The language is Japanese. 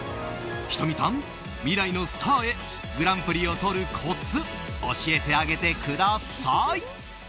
仁美さん、未来のスターへグランプリをとるコツ教えてあげてください！